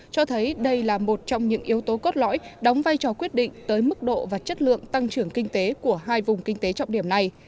cho thấy đây là một trong những yếu tố cốt lõi đóng vai trò quyết định tới mức độ và chất lượng tăng trưởng kinh tế của hai vùng kinh tế trọng điểm này